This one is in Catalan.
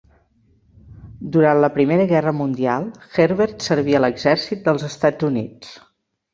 Durant la primera Guerra Mundial, Herbert serví a l'exèrcit dels Estats Units.